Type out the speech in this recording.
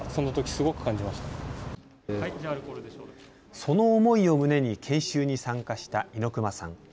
その思いを胸に研修に参加した猪熊さん。